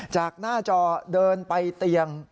จากหน้าจอเดินไปเตียง